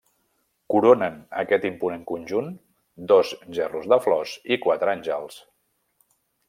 Coronen aquest imponent conjunt dos gerros de flors i quatre àngels.